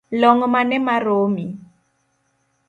Long’ mane maromi?